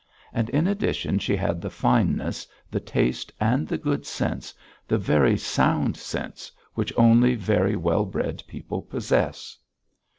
And in addition she had the fineness, the taste, and the good sense, the very sound sense which only very well bred people possess!